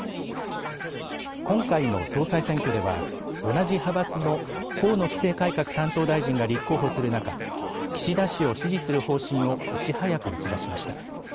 今回の総裁選挙では同じ派閥の河野規制改革担当大臣が立候補する中、岸田氏を支持する方針をいち早く打ち出しました。